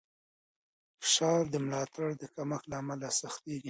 فشار د ملاتړ د کمښت له امله سختېږي.